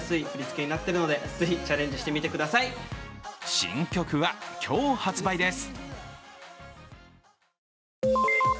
新曲は今日発売です。